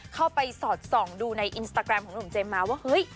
เข้าไปสอดส่องดูในอินสตาแกรมของหนุ่มเจมส์มาว่าเฮ้ย